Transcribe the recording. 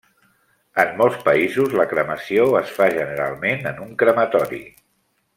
En molts països, la cremació es fa generalment en un crematori.